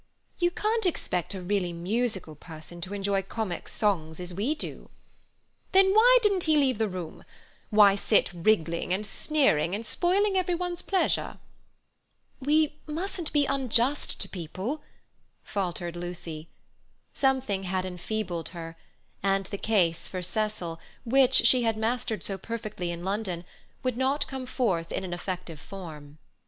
"You can't expect a really musical person to enjoy comic songs as we do." "Then why didn't he leave the room? Why sit wriggling and sneering and spoiling everyone's pleasure?" "We mustn't be unjust to people," faltered Lucy. Something had enfeebled her, and the case for Cecil, which she had mastered so perfectly in London, would not come forth in an effective form.